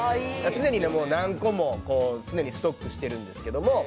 常に何個もストックしてるんですけれども。